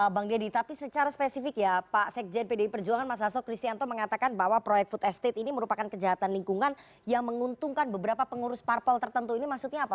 bang deddy tapi secara spesifik ya pak sekjen pdi perjuangan mas hasto kristianto mengatakan bahwa proyek food estate ini merupakan kejahatan lingkungan yang menguntungkan beberapa pengurus parpol tertentu ini maksudnya apa